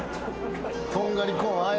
とんがりコーンあ